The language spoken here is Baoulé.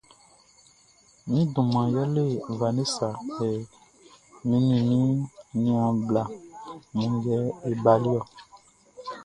Mi duman yɛlɛ Vanessa hɛ, mi ni mi niaan bla mun yɛ e baliɔ.